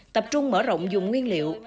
tập trung mở rộng dùng nguyên liệu